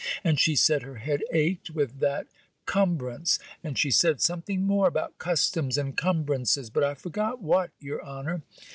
And she said her head ached with that cumbrance; and she said something more about customs and cumbrances, but I forget what, your honor.